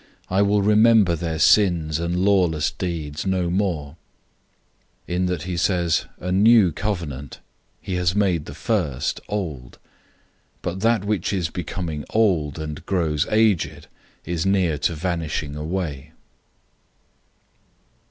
I will remember their sins and lawless deeds no more."{Jeremiah 31:31 34} 008:013 In that he says, "A new covenant," he has made the first old. But that which is becoming old and grows aged is near to vanishing away.